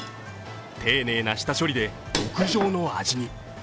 丁寧な下処理で極上の味に。